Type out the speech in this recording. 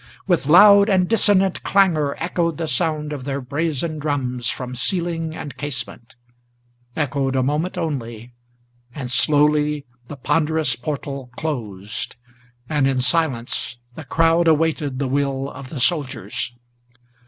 With loud and dissonant clangor Echoed the sound of their brazen drums from ceiling and casement, Echoed a moment only, and slowly the ponderous portal Closed, and in silence the crowd awaited the will of the soldiers.